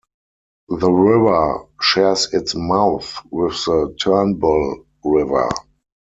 The river shares its mouth with the Turnbull River.